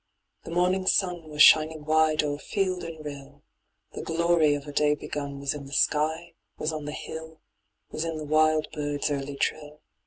The morning sim Was shining wide o'er field and rill ; The glory of a day begun Was in the sky, was on the hill, Was in the wild bird's early trill.